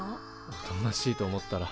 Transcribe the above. おとなしいと思ったら。